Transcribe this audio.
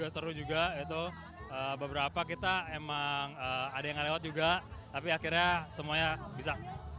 seru juga beberapa kita memang ada yang gak lewat juga tapi akhirnya semuanya bisa